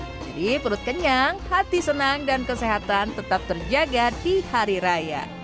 perut kenyang hati senang dan kesehatan tetap terjaga di hari raya